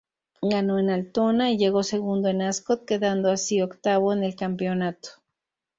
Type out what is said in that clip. Ganó en Altoona y llegó segundo en Ascot, quedando así octavo en el campeonato.